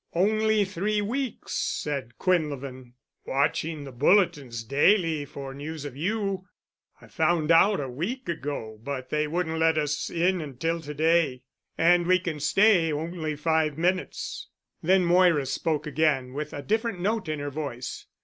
"Only three weeks," said Quinlevin, "watching the bulletins daily for news of you. I found out a week ago, but they wouldn't let us in until to day. And we can stay only five minutes." Then Moira spoke again, with a different note in her voice.